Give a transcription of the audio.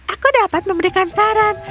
aku dapat memberikan saran